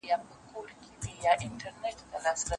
د هندو او مرهټه په جنګ وتلی